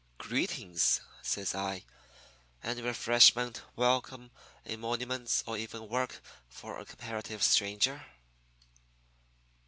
"'Greetings,' says I. 'Any refreshment, welcome, emoluments, or even work for a comparative stranger?'